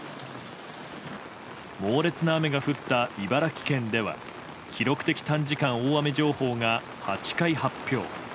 猛烈な雨が降った茨城県では記録的短時間大雨情報が８回、発表。